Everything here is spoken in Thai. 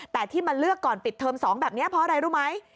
แต่ที่มาเลือกก่อนปิดเทอม๒แบบนี้เพราะอะไรรู้ไหม